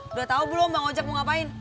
udah tau belum bang ojak mau ngapain